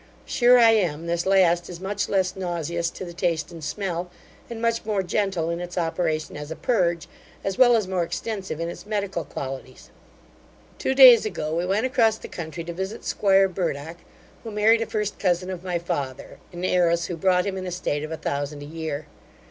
Sure I am, this last is much less nauseous to the taste and smell, and much more gentle in its operation as a purge, as well as more extensive in its medical qualities. Two days ago we went across the country to visit 'squire Burdock, who married a first cousin of my father, an heiress, who brought him an estate of a thousand a year.